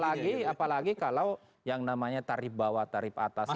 apalagi kalau yang namanya tarif bawah tarif atas